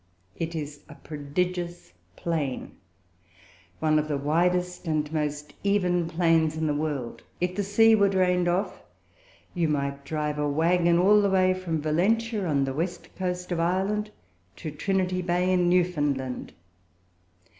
It is a prodigious plain one of the widest and most even plains in the world. If the sea were drained off, you might drive a waggon all the way from Valentia, on the west coast of Ireland, to Trinity Bay, in Newfoundland.